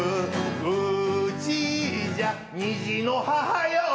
うちじゃ２児の母よ。